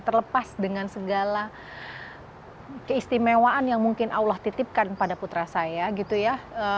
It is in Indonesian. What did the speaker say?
terlepas dengan segala keistimewaan yang mungkin allah titipkan pada putra saya gitu ya